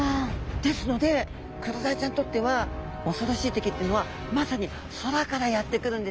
ですのでクロダイちゃんにとってはおそろしい敵っていうのはまさに空からやって来るんですね。